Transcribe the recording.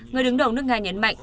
người đứng đầu nước nga nhấn mạnh